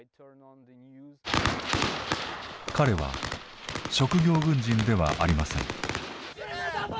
彼は職業軍人ではありません。